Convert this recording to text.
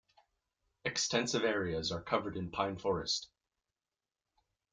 Extensive areas are covered in pine forest.